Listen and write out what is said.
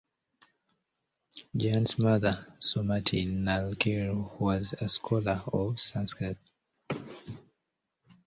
Jayant's mother, Sumati Narlikar, was a scholar of Sanskrit.